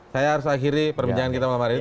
saya harus akhiri perbincangan kita malam hari ini